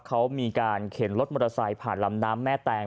เขามีการเข็นรถมอเตอร์ไซค์ผ่านลำน้ำแม่แตง